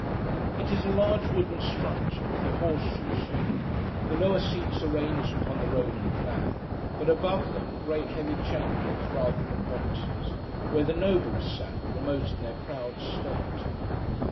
It is a large wooden structure, of the horse shoe shape; the lower seats arranged upon the Roman plan, but above them, great heavy chambers; rather than boxes, where the Nobles sat, remote in their proud state.